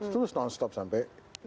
terus nonstop sampai dua ribu empat belas